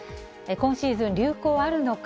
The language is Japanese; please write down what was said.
今シーズン、流行はあるのか。